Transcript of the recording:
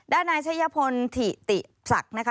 ด้านนายเช่ญญพนธิติศักดิ์